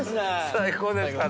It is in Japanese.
最高でしたね。